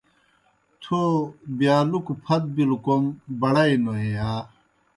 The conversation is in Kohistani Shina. تھو بِیالُکوْ پھت بِلوْ کوْم بڑَئے نو یا؟